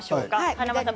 華丸さん